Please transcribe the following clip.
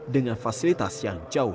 dengan fasilitas yang jauh